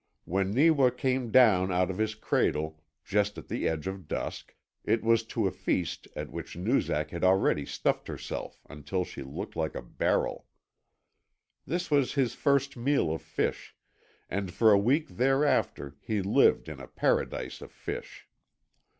When Neewa came down out of his cradle, just at the edge of dusk, it was to a feast at which Noozak had already stuffed herself until she looked like a barrel. This was his first meal of fish, and for a week thereafter he lived in a paradise of fish.